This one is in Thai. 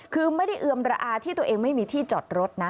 คือไม่ได้เอือมระอาที่ตัวเองไม่มีที่จอดรถนะ